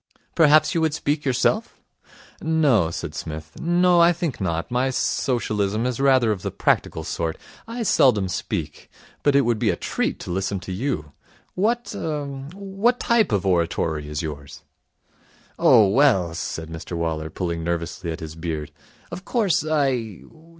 'Perhaps you would speak yourself?' 'No,' said Psmith. 'No. I think not. My Socialism is rather of the practical sort. I seldom speak. But it would be a treat to listen to you. What er what type of oratory is yours?' 'Oh, well,' said Mr Waller, pulling nervously at his beard, 'of course I